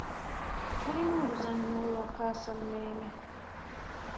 Tulina oluzannya olwakaasa mmeeme.